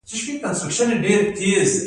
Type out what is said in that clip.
زرکول جهیل په کومه سیمه کې دی؟